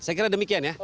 saya kira demikian ya